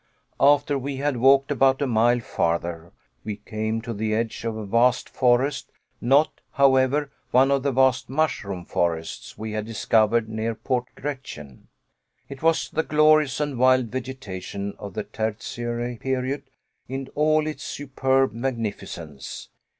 After we had walked about a mile farther, we came to the edge of a vast forest not, however, one of the vast mushroom forests we had discovered near Port Gretchen. It was the glorious and wild vegetation of the Tertiary period, in all its superb magnificence.